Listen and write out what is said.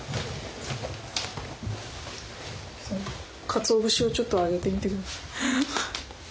かつお節をちょっとあげてみてください。